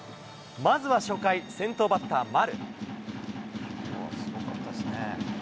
まずは初回、先頭バッター、丸。